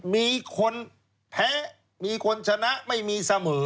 มีคนแพ้มีคนชนะไม่มีเสมอ